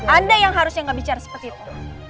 anda yang harusnya nggak bicara seperti itu